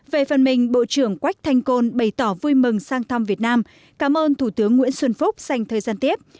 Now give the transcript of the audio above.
về phần mình bộ trưởng quách thanh côn bày tỏ vui mừng sang thăm việt nam cảm ơn thủ tướng nguyễn xuân phúc dành thời gian tiếp